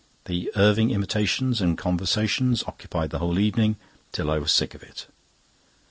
The Irving imitations and conversations occupied the whole evening, till I was sick of it.